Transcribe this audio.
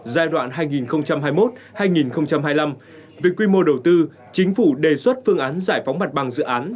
giai đoạn hai nghìn hai mươi một hai nghìn hai mươi năm về quy mô đầu tư chính phủ đề xuất phương án giải phóng mặt bằng dự án